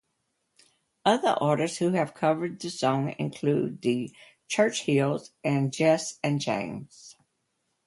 Other artists who have covered the song include The Churchills and Jess and James.